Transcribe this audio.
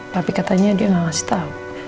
tapi katanya dia gak kasih tau